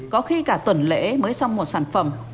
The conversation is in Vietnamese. có khi cả tuần lễ mới xong một sản phẩm